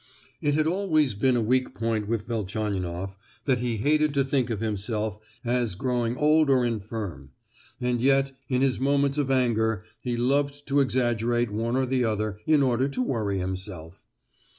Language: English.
It had always been a weak point with Velchaninoff that he hated to think of himself as growing old or infirm; and yet in his moments of anger he loved to exaggerate one or the other in order to worry himself.